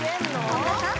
本田さん